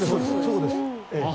そうです。